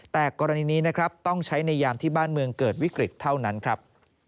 แต่กรณีนี้นะครับต้องใช้ในยามที่บ้านเมืองเกิดวิกฤตเท่านั้นครับ